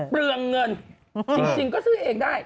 เปลืองเงินจริงก็ซื้อเองได้